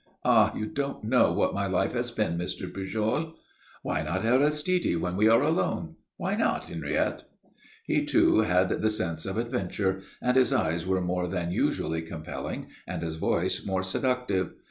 Ah, you don't know what my life has been, Mr. Pujol." "Why not Aristide when we are alone? Why not, Henriette?" He too had the sense of adventure, and his eyes were more than usually compelling and his voice more seductive.